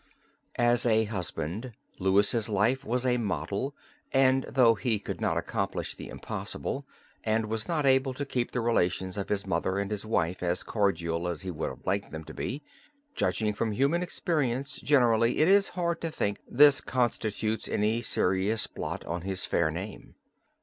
As a husband Louis' life was a model, and though he could not accomplish the impossible, and was not able to keep the relations of his mother and his wife as cordial as he would have liked them to be, judging from human experience generally it is hard to think this constitutes any serious blot on his fair name.